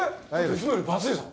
いつもより分厚いぞ。